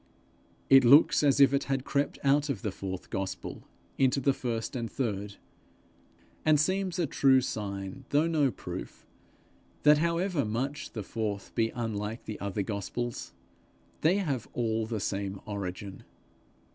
It looks as if it had crept out of the fourth gospel into the first and third, and seems a true sign, though no proof, that, however much the fourth be unlike the other gospels, they have all the same origin.